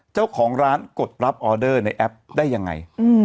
เจ้าของร้านกดรับออเดอร์ในแอปได้ยังไง